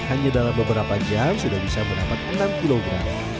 hanya dalam beberapa jam sudah bisa mendapat enam kilogram